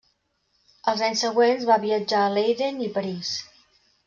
Els anys següents va viatjar a Leiden i París.